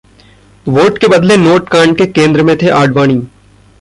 'vote के बदले note कांड के केंद्र में थे आडवाणी'